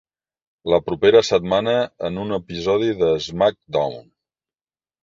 La propera setmana en un episodi de SmackDown!